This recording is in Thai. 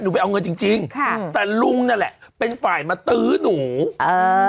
ไปเอาเงินจริงจริงค่ะแต่ลุงนั่นแหละเป็นฝ่ายมาตื้อหนูอ่า